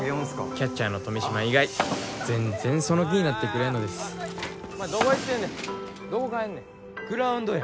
キャッチャーの富嶋以外全然その気になってくれんのですお前どこ行ってんねんどこ帰るねんグラウンドや